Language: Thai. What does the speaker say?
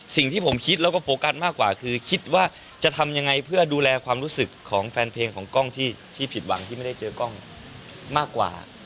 สิ่งที่ผมคิดแล้วก็โฟกัสมากกว่าคือคิดว่าจะทำยังไงเพื่อดูแลความรู้สึกของแฟนเพลงของกล้องที่ผิดหวังที่ไม่ได้เจอกล้องมากกว่า